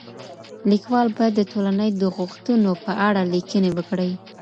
ليکوال بايد د ټولني د غوښتنو په اړه ليکنې وکړي.